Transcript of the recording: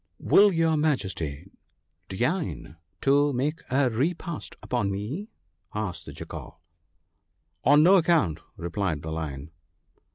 " Will your Majesty deign to make a repast upon me ?" asked the Jackal. " On no account !" replied the Lion.